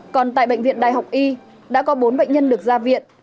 còn tại bệnh viện đại học y đã có bốn bệnh nhân được ra viện